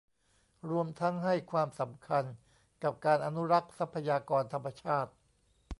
รวมทั้งให้ความสำคัญกับการอนุรักษ์ทรัพยากรธรรมชาติ